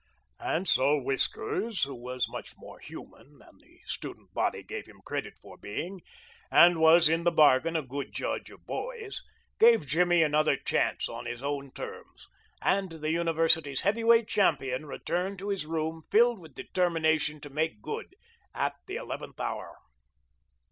And so Whiskers, who was much more human than the student body gave him credit for being, and was, in the bargain, a good judge of boys, gave Jimmy another chance on his own terms, and the university's heavyweight champion returned to his room filled with determination to make good at the eleventh hour.